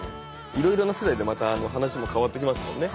いろいろな世代でまた話も変わってきますもんね。